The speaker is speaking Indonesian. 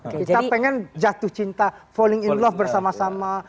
kita pengen jatuh cinta falling in love bersama sama